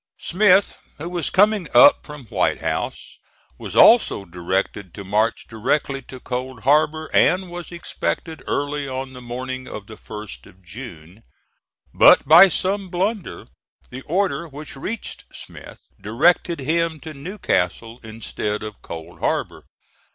Smith, who was coming up from White House, was also directed to march directly to Cold Harbor, and was expected early on the morning of the 1st of June; but by some blunder the order which reached Smith directed him to Newcastle instead of Cold Harbor.